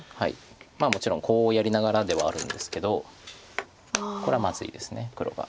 もちろんコウをやりながらではあるんですけどこれはまずいです黒が。